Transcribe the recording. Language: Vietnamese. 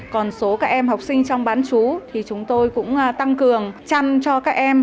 còn số các em học sinh trong bán chú thì chúng tôi cũng tăng cường chăm cho các em